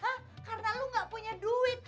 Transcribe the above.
hah karena lo gak punya duit